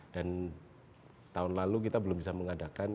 dan tahun lalu kita belum bisa mengadakan